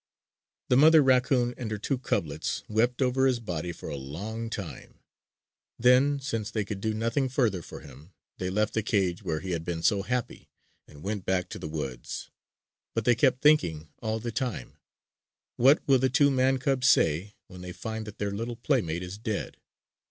The mother raccoon and her two cublets wept over his body for a long time; then, since they could do nothing further for him, they left the cage where he had been so happy and went back to the woods. But they kept thinking all the time: "What will the two man cubs say when they find that their little playmate is dead?